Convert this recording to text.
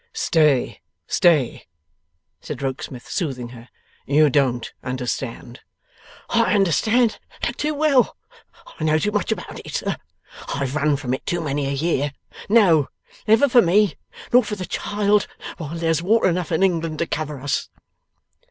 'Stay, stay!' said Rokesmith, soothing her. 'You don't understand.' 'I understand too well. I know too much about it, sir. I've run from it too many a year. No! Never for me, nor for the child, while there's water enough in England to cover us!